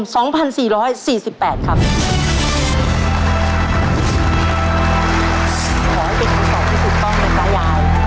ขอให้เป็นคำตอบที่ถูกต้องนะจ๊ะยาย